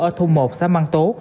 ở thôn một xã mạng tố